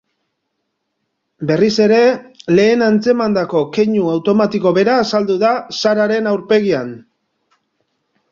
Berriz ere lehen antzemandako keinu automatiko bera azaldu da Sararen aurpegian.